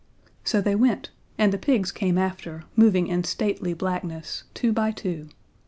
So they went, and the pigs came after, moving in stately blackness, two by two.